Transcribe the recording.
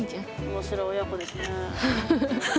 面白い親子ですね。